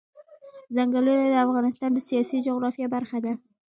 ځنګلونه د افغانستان د سیاسي جغرافیه برخه ده.